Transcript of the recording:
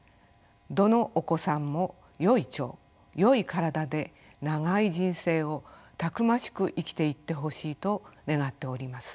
どのお子さんもよい腸よい体で長い人生をたくましく生きていってほしいと願っております。